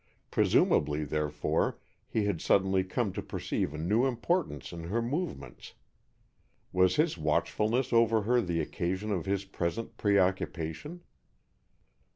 Presumably, therefore, he had suddenly come to perceive a new importance in her movements. Was his watchfulness over her the occasion of his present preoccupation?